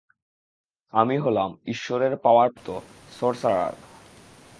আমি হলাম ঈশ্বরের পাওয়ার প্রাপ্ত সর্সারার।